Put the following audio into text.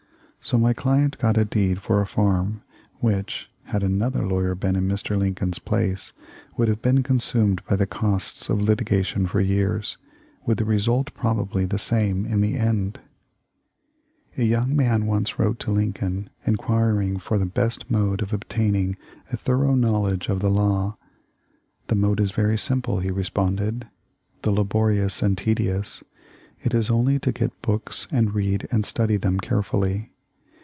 So my client got a deed for a farm which, had another lawyer been in Mr. Lincoln's place, would have been consumed by the costs of litigation for years, with the result probably the same in the end." A young man once wrote to Lincoln, enquiring for the * J. Henry Shaw, letter, June 13, 1866, MS. 324 THE LIFE 0F LINCOLN. best mode of obtaining a thorough knowledge of the law. 'The mode is very simple," he responded, "though laborious and tedious. It is only to get books and read and study them carefully.